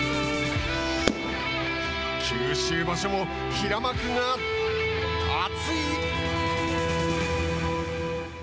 九州場所も平幕が熱い！？